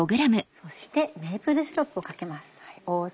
そしてメープルシロップをかけます。